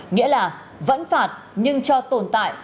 nghĩa là vẫn phạt nhưng cho tồn tại